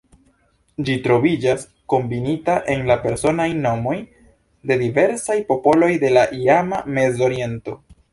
Ĝi troviĝas kombinita en la personaj nomoj de diversaj popoloj de la iama Mezoriento.